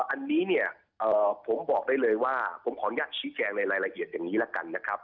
อันนี้เนี่ยผมบอกได้เลยว่าผมขออนุญาตชี้แจงในรายละเอียดอย่างนี้ละกันนะครับ